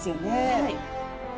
はい。